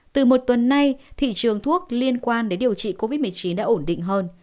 từ một tuần nay thị trường thuốc liên quan đến điều trị covid một mươi chín đã ổn định hơn